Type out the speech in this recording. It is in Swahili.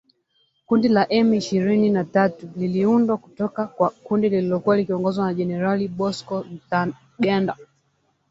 Kundi la M ishirni na tatu, liliundwa kutoka kwa kundi lililokuwa likiongozwa na Jenerali Bosco Ntaganda